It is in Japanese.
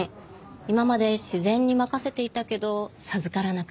今まで自然に任せていたけど授からなかった。